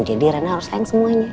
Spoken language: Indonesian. jadi rina harus sayang semuanya